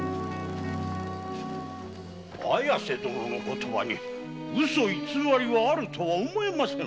綾瀬殿の言葉に嘘偽りがあるとは思えませぬ。